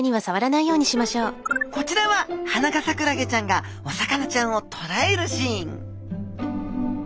こちらはハナガサクラゲちゃんがお魚ちゃんをとらえるシーン